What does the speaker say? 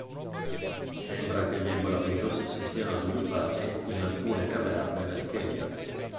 Sembra che ebolavirus si siano sviluppati in alcune caverne del Kenya..